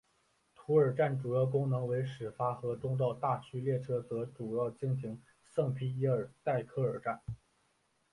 图尔站主要功能为始发和终到大区列车则主要经停圣皮耶尔代科尔站。